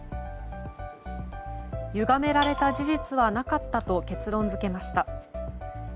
ゆがめられた事実はなかったと結論付けました。